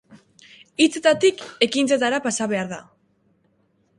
Hitzetatik ekintzetara pasa behar da.